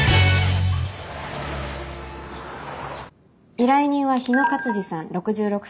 依頼人は日野勝次さん６６歳。